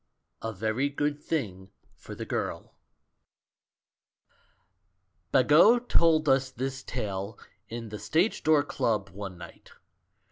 A VERY GOOD THING FOR THE GIRL Bagot told us this tale in the Stage Door Club one night.